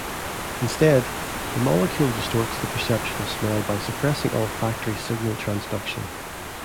Instead, the molecule distorts the perception of smell by suppressing olfactory signal transduction.